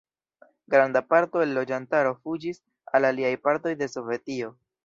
Granda parto el loĝantaro fuĝis al aliaj partoj de Sovetio.